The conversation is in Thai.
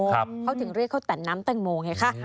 เขาถึงเรียกเขาแต่นน้ำแตงโมไงคะ